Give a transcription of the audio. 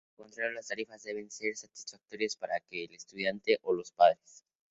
De lo contrario, las tarifas deben ser satisfactorias para el estudiante o los padres.